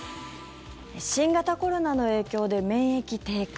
新型コロナの影響で免疫低下